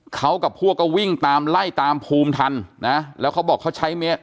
เขากับพวกก็วิ่งตามไล่ตามภูมิทันนะแล้วเขาบอกเขาใช้เมตร